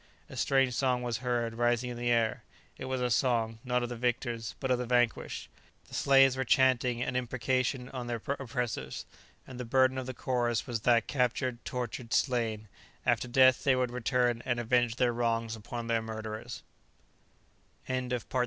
A strange song was heard rising in the air. It was a song, not of the victors, but of the vanquished. The slaves were chanting an imprecation on their oppressors; and the burden of the chorus was that captured, tortured, slain after death they would return and avenge their wrongs upon their murderers!